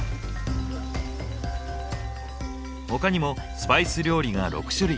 他にもスパイス料理が６種類。